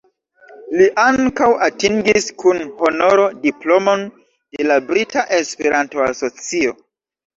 Li ankaŭ atingis kun honoro diplomon de la Brita Esperanto-Asocio.